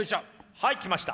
はい来ました。